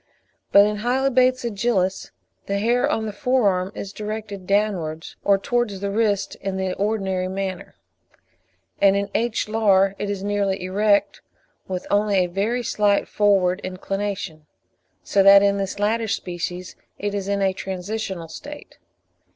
But in Hylobates agilis the hair on the fore arm is directed downwards or towards the wrist in the ordinary manner; and in H. lar it is nearly erect, with only a very slight forward inclination; so that in this latter species it is in a transitional state.